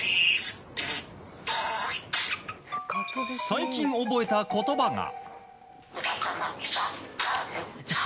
最近覚えた言葉が。